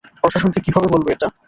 প্রশাসনকে কীভাবে বলবে এটা?